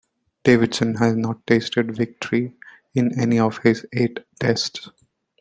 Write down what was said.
Davidson had not tasted victory in any of his eight Tests.